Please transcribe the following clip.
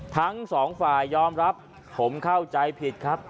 ทั้งสองฝ่ายยอมรับผมเข้าใจผิดครับ